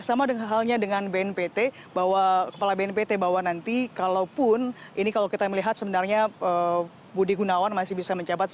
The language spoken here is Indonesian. sama halnya dengan bnpt kepala bnpt bahwa nanti kalaupun ini kalau kita melihat sebenarnya budi gunawan masih bisa menjabat